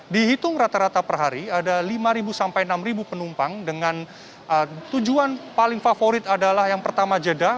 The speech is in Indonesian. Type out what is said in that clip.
dihitung rata rata per hari ada lima sampai enam penumpang dengan tujuan paling favorit adalah yang pertama jeda